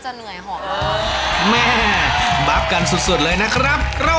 หมวกปีกดีกว่าหมวกปีกดีกว่า